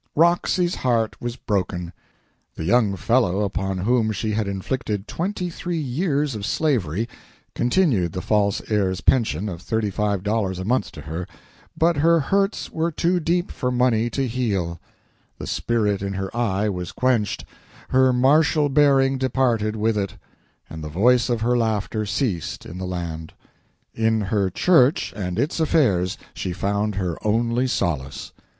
Roxy's heart was broken. The young fellow upon whom she had inflicted twenty three years of slavery continued the false heir's pension of thirty five dollars a month to her, but her hurts were too deep for money to heal; the spirit in her eye was quenched, her martial bearing departed with it, and the voice of her laughter ceased in the land. In her church and its affairs she found her only solace.